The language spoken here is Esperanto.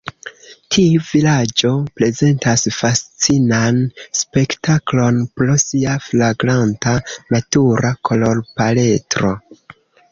Tiu vilaĝo prezentas fascinan spektaklon pro sia flagranta natura kolorpaletro.